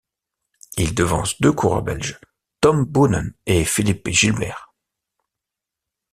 Il devance deux coureurs belges, Tom Boonen et Philippe Gilbert.